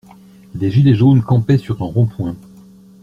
Les gilets jaunes campaient sur un rond-point.